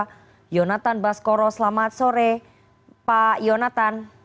pak yonatan baskoro selamat sore pak yonatan